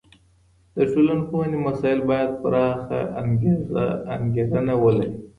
د ټولنپوهني مسایل باید پراخه انګیرنه ولري.